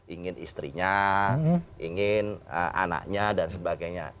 ingin istrinya ingin anaknya dan sebagainya